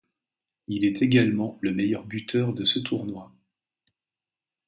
Il est également meilleur buteur de ce tournoi.